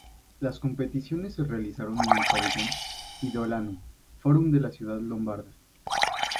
Las competiciones se realizaron en el pabellón Mediolanum Forum de la ciudad lombarda.